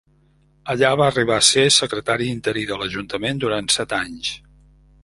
Allà va arribar a ésser secretari interí de l'ajuntament durant set anys.